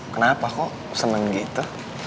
kenapa kok seneng gitu